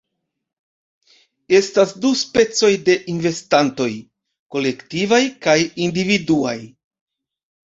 Estas du specoj de investantoj: kolektivaj kaj individuaj.